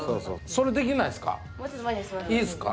それできないですか？